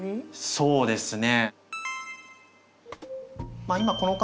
そうなんですね。